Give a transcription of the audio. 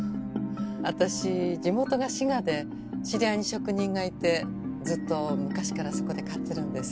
私地元が滋賀で知り合いに職人がいてずっと昔からそこで買ってるんです。